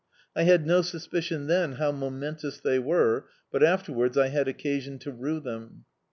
I had no suspicion then how momentous they were, but afterwards I had occasion to rue them.